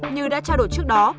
như đã trao đổi trước đó